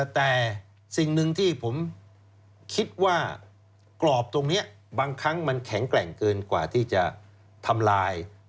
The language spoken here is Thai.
แต่สิ่งหนึ่งที่ผมคิดว่ากรอบตรงนี้บางครั้งมันแข็งแกร่งเกินกว่าที่จะทำลาย